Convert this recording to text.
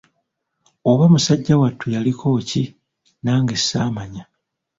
Oba musajja wattu yaliko ki, nage ssamanya.